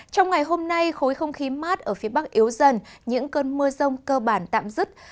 trong ngày hôm nay khối không khí mát ở phía bắc yếu dần những cơn mưa rông cơ bản tạm dứt